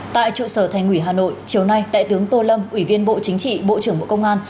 tại trụ sở thành ủy hà nội chiều nay đại tướng tô lâm ủy viên bộ chính trị bộ trưởng bộ công an